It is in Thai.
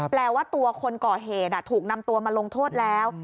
แปลว่าตัวคนก่อเหตุถูกนำตัวมาลงโทษแล้ว